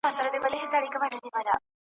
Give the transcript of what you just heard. یو څه له پاسه یو څه له ځانه.